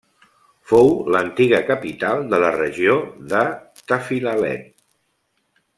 Fou l'antiga capital de la regió de Tafilalet.